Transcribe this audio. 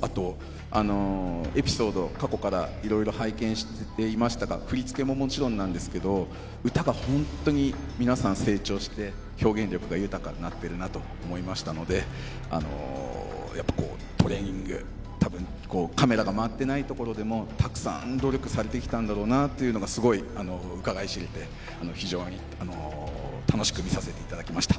あと、エピソード、過去からいろいろ拝見していましたが、振り付けももちろんなんですけど、歌が本当に皆さん成長して、表現力が豊かになってるなと思いましたので、やっぱこう、トレーニング、たぶんカメラが回ってないところでも、たくさん努力されてきたんだろうなというのがすごいうかがい知れて、非常に楽しく見させていただきました。